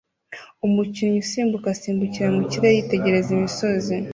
Umukinnyi usimbuka asimbukira mu kirere yitegereza imisozi